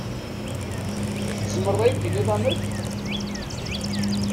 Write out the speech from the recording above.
Tzemreḍ ad yi-d-tiniḍ amek?